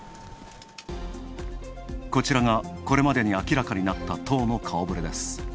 こちらがこれまでに明らかになった党の顔ぶれです。